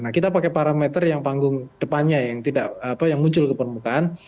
nah kita pakai parameter yang panggung depannya yang tidak muncul ke permukaan